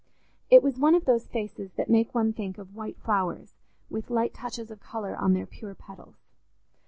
It was one of those faces that make one think of white flowers with light touches of colour on their pure petals.